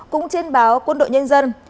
cũng trên báo quân đội nhân dân